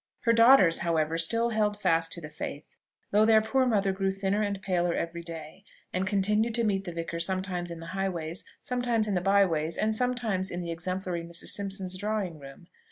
Her daughters, however, still held fast to the faith, though their poor mother grew thinner and paler every day, and continued to meet the vicar sometimes in the highways, sometimes in the byways, and sometimes in the exemplary Mrs. Simpson's drawing room.